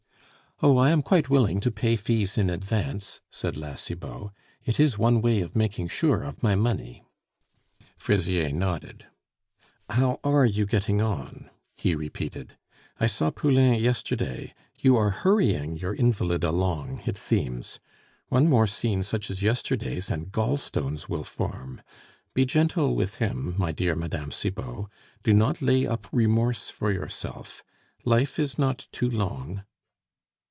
"Oh! I am quite willing to pay fees in advance," said La Cibot; "it is one way of making sure of my money." Fraisier nodded. "How are you getting on?" he repeated. "I saw Poulain yesterday; you are hurrying your invalid along, it seems.... One more scene such as yesterday's, and gall stones will form. Be gentle with him, my dear Mme. Cibot, do not lay up remorse for yourself. Life is not too long."